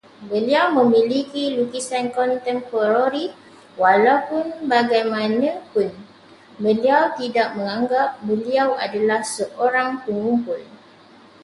Beliau memiliki lukisan kontemporari, walaubagaimanapun beliau tidak menganggap beliau adalah seorang pengumpul